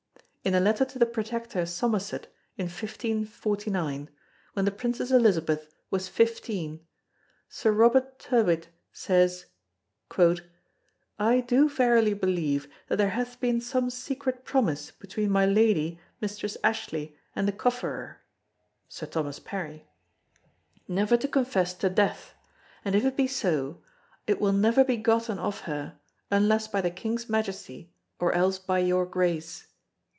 In a letter to the Protector Somerset in 1549, when the Princess Elizabeth was 15, Sir Robert Tyrwhitt says: "I do verily believe that there hath been some secret promise between my Lady, Mistress Ashley, and the Cofferer" [Sir Thomas Parry] "never to confess to death, and if it be so, it will never be gotten of her, unless by the King's Majesty or else by your Grace."